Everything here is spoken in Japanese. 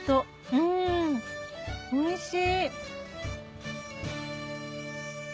うんおいしい！